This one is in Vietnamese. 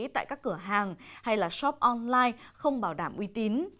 tại các cửa hàng hay shop online không bảo đảm uy tín